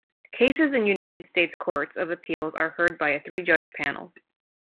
Cases in United States courts of appeals are heard by a three-judge panel.